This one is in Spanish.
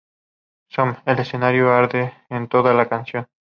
Sonne: El escenario arde en toda la canción.